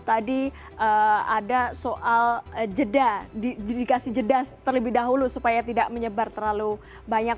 tadi ada soal jeda dikasih jeda terlebih dahulu supaya tidak menyebar terlalu banyak